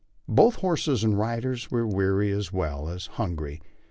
Both horses and riders were weary as well as hungry.